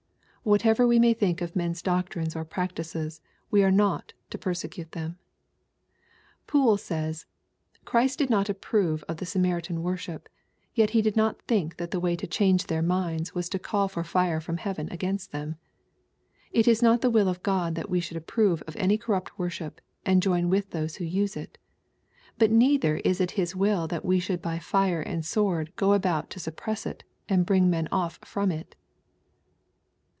Whatever we may think of men's doctrines or prac tices, we are not to persecute them. Poole says, " Christ did not approve of the Samaritan worship, yet He did not think that the way to change tlieir minds was to call for fire from heaven against tnem. It is not the will of God that we should approve of any corrupt worship, and join with those who use iL JBut neither is it His will that we should by fire and sword go about to suppress it^ and bring men off firom it."